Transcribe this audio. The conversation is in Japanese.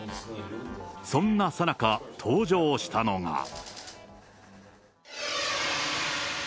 そんなさなか、登場したのが。